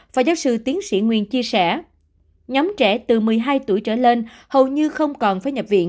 phó giáo sư tiến sĩ nguyên chia sẻ nhóm trẻ từ một mươi hai tuổi trở lên hầu như không còn phải nhập viện